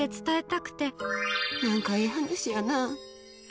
何か、ええ話やな。